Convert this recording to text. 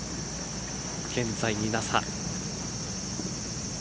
現在２打差。